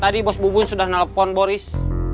tadi bos bubun sudah nelpon boris